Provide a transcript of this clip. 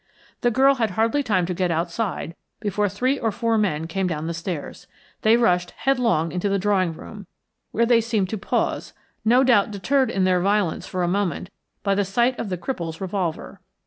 The girl had hardly time to get outside before three or four men came down the stairs. They rushed headlong into the drawing room, where they seemed to pause, no doubt deterred in their violence for a moment by the sight of the cripple's revolver.